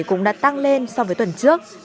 cũng đã tăng lên so với tuần trước